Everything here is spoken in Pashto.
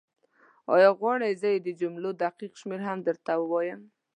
ایا غواړې زه یې د جملو دقیق شمېر هم درته ووایم؟